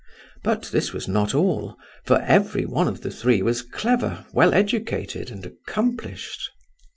But this was not all, for every one of the three was clever, well educated, and accomplished.